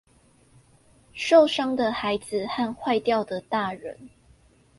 受傷的孩子和壞掉的大人